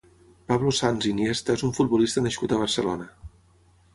Pablo Sanz Iniesta és un futbolista nascut a Barcelona.